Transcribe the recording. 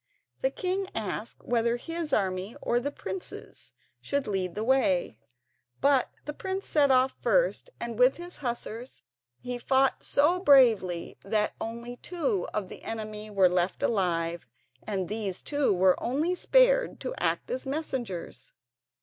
The king asked whether his army or the prince's should lead the way; but the prince set off first and with his hussars he fought so bravely that only two of the enemy were left alive, and these two were only spared to act as messengers.